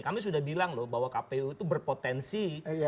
kami sudah bilang loh bahwa kpu itu berpotensi